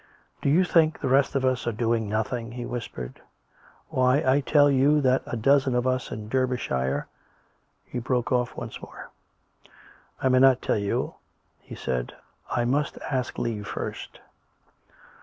"Do you think the rest of us are doing nothing?" he whispered. " Why, I tell you that a dozen of us in Derby shire " He broke off once more. " I may not tell you," he said, " I must ask leave first."